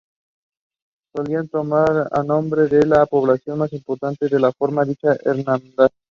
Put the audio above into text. Solían tomar el nombre de la población más importante que formaba dicha hermandad.